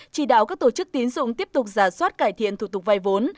chỉ đạo các tổ chức tín dụng tiếp tục giả soát cải thiện thủ tục vay vốn